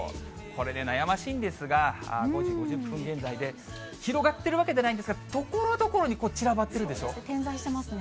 これね、悩ましいんですが、５時５０分現在で、広がってるわけではないんですが、ところどこ点在してますね。